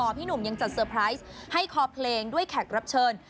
พี่หนุ่มยังจัดเตอร์ไพรส์ให้คอเพลงด้วยแขกรับเชิญ